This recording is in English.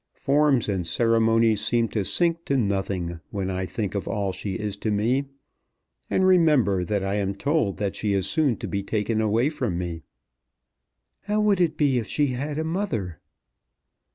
Forms and ceremonies seem to sink to nothing, when I think of all she is to me, and remember that I am told that she is soon to be taken away from me." "How would it be if she had a mother?"